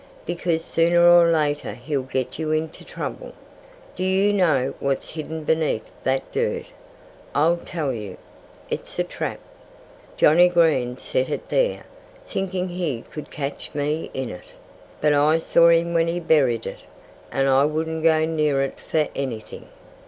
Because sooner or later he'll get you into trouble.... Do you know what's hidden beneath that dirt? I'll tell you: it's a trap! Johnnie Green set it there, thinking he could catch me in it. But I saw him when he buried it. And I wouldn't go near it for anything."